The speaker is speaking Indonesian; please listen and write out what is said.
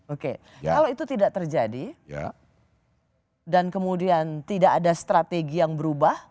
oke kalau itu tidak terjadi dan kemudian tidak ada strategi yang berubah